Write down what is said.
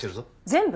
全部！？